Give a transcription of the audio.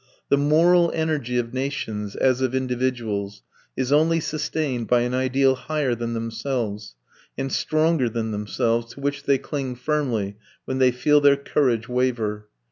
The moral energy of nations, as of individuals, is only sustained by an ideal higher than themselves, and stronger than themselves, to which they cling firmly when they feel their courage waver.